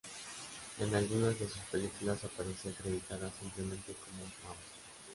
En algunas de sus películas aparecía acreditada simplemente como Mamo.